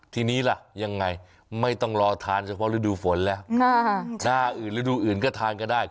ทีนี้ล่ะยังไงไม่ต้องรอทานเฉพาะฤดูฝนแล้วหน้าอื่นฤดูอื่นก็ทานก็ได้